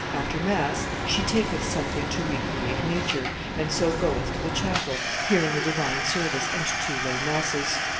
After mass she taketh something to recreate nature, and soe goeth to the chapelle, hearinge the divine service and two lowe masses.